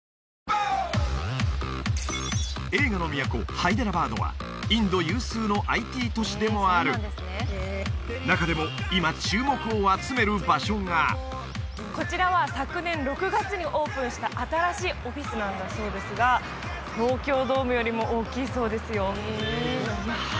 ハイデラバードはインド有数のＩＴ都市でもある中でも今注目を集める場所がこちらは昨年６月にオープンした新しいオフィスなんだそうですが東京ドームよりも大きいそうですよは